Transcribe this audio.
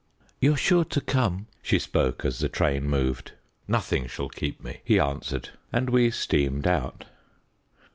"You're sure to come?" she spoke as the train moved. "Nothing shall keep me," he answered; and we steamed out.